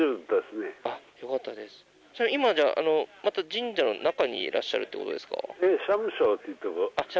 ちなみに今また神社の中にいらっしゃるということですか？